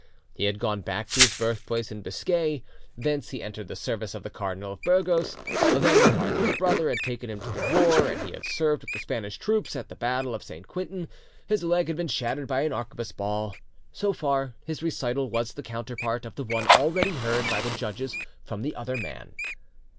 He had gone back to his birthplace, in Biscay; thence he entered the service of the Cardinal of Burgos; then the cardinal's brother had taken him to the war, and he had served with the Spanish troops; at the battle of St. Quentiny—his leg had been shattered by an arquebus ball. So far his recital was the counterpart of the one already heard by the judges from the other man.